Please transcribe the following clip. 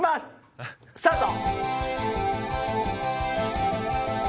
スタート！